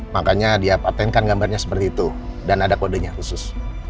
makanya dia patentkan gambarnya seperti itu dan ada kodenya khusus